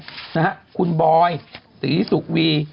นะฮะคุณบอยศรีสุวี